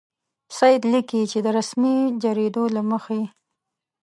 سید لیکي چې د رسمي جریدو له مخې.